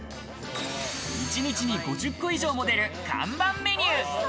一日に５０個以上も出る、看板メニュー。